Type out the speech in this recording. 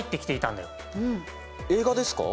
映画ですか？